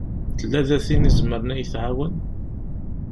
Tella da tin i izemren ad yi-tɛawen?